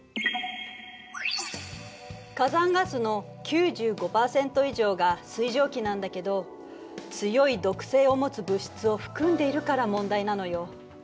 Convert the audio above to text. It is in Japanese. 火山ガスの９５％以上が水蒸気なんだけど強い毒性を持つ物質を含んでいるから問題なのよ。